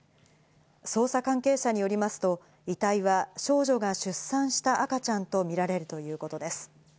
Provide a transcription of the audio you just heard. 捜査関係者によりますと、遺体は少女が出産した赤ちゃんと見られるということです。